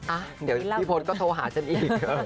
มานี่เราก็พี่โพดก็โทรหาฉันอีก